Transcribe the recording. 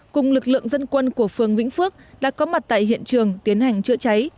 cùng lực lượng dân quân của phường vĩnh phước đã có mặt tại hiện trường tiến hành chữa cháy